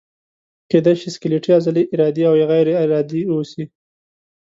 کیدای شي سکلیټي عضلې ارادي او یا غیر ارادي اوسي.